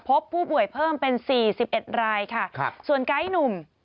พบผู้ป่วยเพิ่มเป็นสี่สิบเอ็ดรายค่ะครับส่วนไก้หนุ่ม